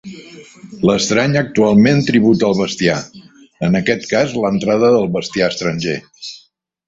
L'estrany actualment tributa el bestiar, en aquest cas l'entrada del bestiar estranger.